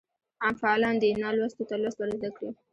عام فعالان دي نالوستو ته لوست ورزده کړي.